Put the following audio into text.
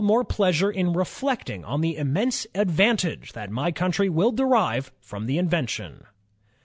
. more pleasure in re flecting on the immense advantage that my country will derive from the invention."